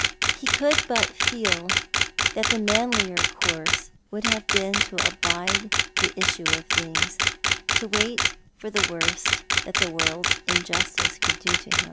He could but feel that the manlier course would have been to abide the issue of things, to wait for the worst that the world's injustice could do to him.